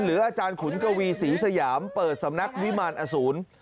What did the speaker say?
อาจารย์ขุนกวีศรีสยามเปิดสำนักวิมารอสูร